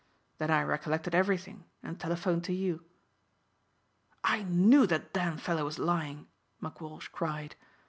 Then I recollected everything and telephoned to you." "I knew that damned fellow was lying," McWalsh cried.